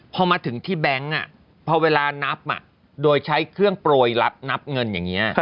พอมาถึงที่แบงค์อ่ะเพราะเวลานับอ่ะโดยใช้เครื่องปล่อยรับนับเงินอย่างเงี้ย